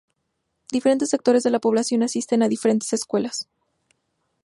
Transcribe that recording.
Diferentes sectores de la población asisten a diferentes escuelas.